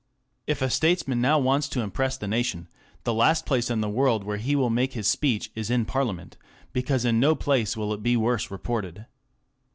If a statesman now wants to impress the nation, the last place in the world where he will make his speech is in Parliament, because in no place will it be worse reported.